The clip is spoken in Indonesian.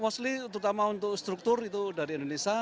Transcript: mostly terutama untuk struktur itu dari indonesia